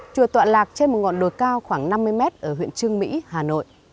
chùa tọa lạc trên một ngọn đồi cao khoảng năm mươi mét ở huyện trương mỹ hà nội